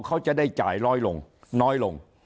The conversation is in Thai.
เขาจะได้จ่ายน้อยลง